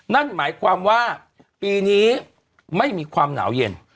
นั่นหมายความว่าปีนี้ไม่มีความหนาวเย็น